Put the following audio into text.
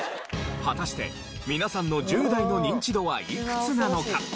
果たして皆さんの１０代のニンチドはいくつなのか？